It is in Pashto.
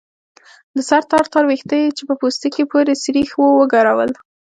د سر تار تار ويښته يې چې په پوستکي پورې سرېښ وو وګرول.